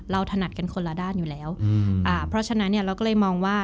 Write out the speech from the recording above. ถนัดกันคนละด้านอยู่แล้วอืมอ่าเพราะฉะนั้นเนี่ยเราก็เลยมองว่า